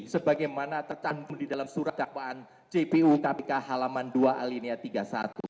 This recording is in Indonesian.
sebagaimana tercantum di dalam surat dakwaan cpu kpk halaman dua alinia tiga puluh satu